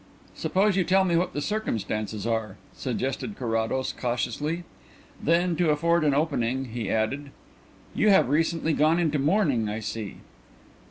"Suppose you tell me what the circumstances are," suggested Carrados cautiously. Then, to afford an opening, he added: "You have recently gone into mourning, I see."